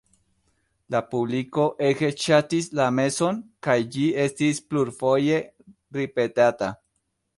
La publiko ege ŝatis la meson, kaj ĝi estis plurfoje ripetata.